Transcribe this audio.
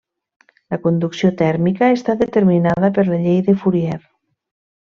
La conducció tèrmica està determinada per la llei de Fourier.